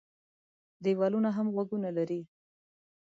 ديوالونه هم غوږونه لري.